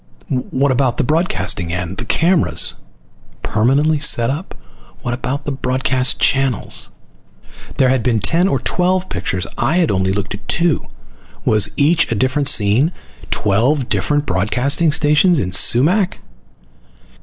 What about the broadcasting end, the cameras? Permanently set up? What about the broadcast channels? There had been ten or twelve pictures. I'd only looked at two. Was each a different scene? Twelve different broadcasting stations in Sumac?